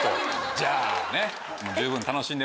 じゃあね。